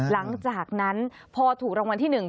หลังจากนั้นพอถูกรางวัลที่๑